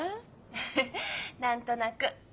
フフッ何となく。